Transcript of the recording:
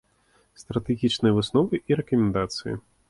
Стратэгічныя высновы і рэкамендацыі.